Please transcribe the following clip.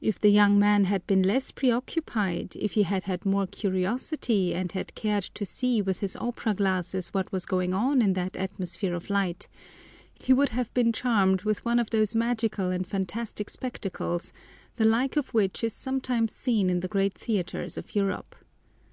If the young man had been less preoccupied, if he had had more curiosity and had cared to see with his opera glasses what was going on in that atmosphere of light, he would have been charmed with one of those magical and fantastic spectacles, the like of which is sometimes seen in the great theaters of Europe.